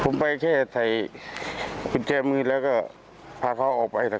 ผมไปแค่ใส่กุญแจมือแล้วก็พาเขาออกไป